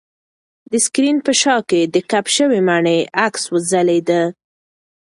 د سکرین په شاه کې د کپ شوې مڼې عکس ځلېده.